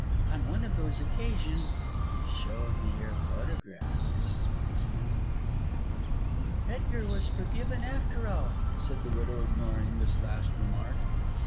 On one of those occasions he showed me your photograph, Mrs. Moxton." "Edgar was forgiven after all," said the widow, ignoring this last remark.